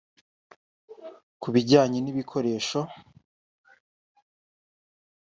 Ku bijyanye n’ibikoresho